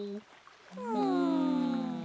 うん。